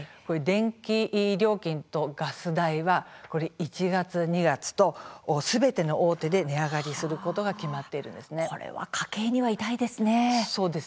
電気料金とガス代は１月、２月とすべての大手で値上がりすることは家計には痛いですね。